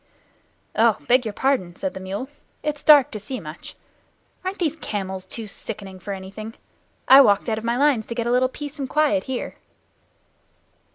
"Oh, beg your pardon," said the mule. "It's too dark to see much. Aren't these camels too sickening for anything? I walked out of my lines to get a little peace and quiet here."